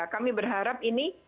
kami berharap ini